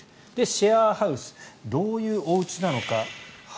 シェアハウスどういうおうちなのか。